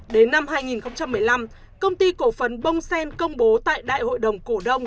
đến năm hai nghìn một mươi năm công ty cổ phấn bông sen công bố tại đại hội đồng cổ đông